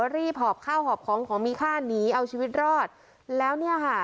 หอบข้าวหอบของของมีค่าหนีเอาชีวิตรอดแล้วเนี่ยค่ะ